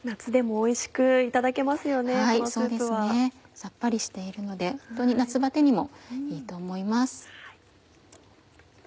さっぱりしているので夏バテにもいいと思います。